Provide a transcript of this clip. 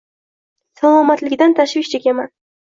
Salomatligidan tashvish chekaman